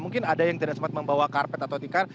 mungkin ada yang tidak sempat membawa karpet atau tikar